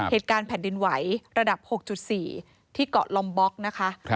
เหตุการณ์แผ่นดินไหวระดับ๖๔ที่เกาะลอมบ็อกนะคะ